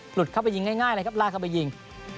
หลุดเข้าไปยิงง่ายเลยครับลากเข้าไปยิง